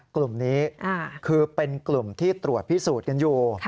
กลุ่มนี้คือเป็นกลุ่มที่ตรวจพิสูจน์กันอยู่